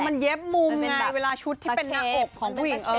มันเย็บมุมไงเวลาชุดที่เป็นหน้าอกของผู้หญิงเอง